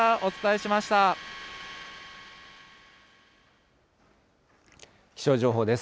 しま気象情報です。